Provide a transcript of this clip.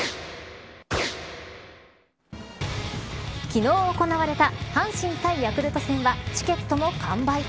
昨日行われた阪神対ヤクルト戦はチケットも完売。